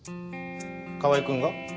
川合君が？